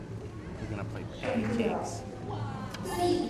圣蒂尔。